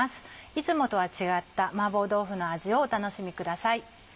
いつもとは違った麻婆豆腐の味をお楽しみください。